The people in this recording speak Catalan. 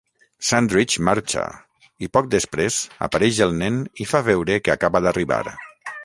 Sandridge marxa i poc després apareix el nen i fa veure que acaba d'arribar.